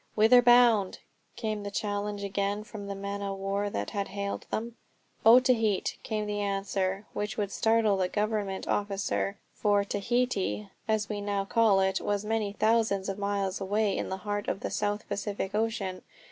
"Whither bound?" came the challenge again from the man o' war that had hailed them. "Otaheite," came the answer, which would startle the Government officer. For Tahiti (as we now call it) was many thousands of miles away in the heart of the South Pacific Ocean.